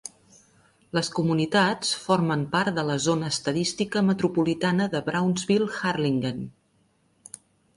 Les comunitats formen part de la zona estadística metropolitana de Brownsville-Harlingen.